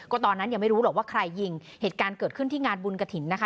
ตอนนั้นยังไม่รู้หรอกว่าใครยิงเหตุการณ์เกิดขึ้นที่งานบุญกระถิ่นนะคะ